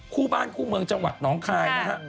คู่บ้านคู่เมืองจังหวัดน้องคายนะฮะ